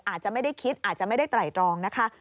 อาจจะไม่ได้คิดอาจจะไม่ได้ไตรตรองนะคะ